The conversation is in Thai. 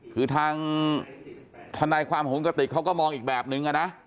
คือทางทนายความของกระติกเขาก็มองอีกแบบนึงนะ